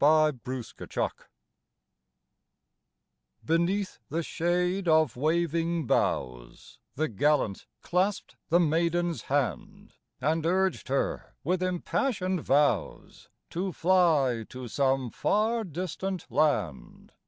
^^SJ^ENEATH the shade of waving boughs I Si The gallant clasped the maiden's ^&^^ hand, And urged her. with impassioned vows, To fly to some far distant land.